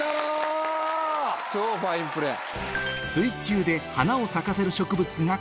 超ファインプレー。